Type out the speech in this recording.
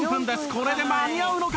これで間に合うのか？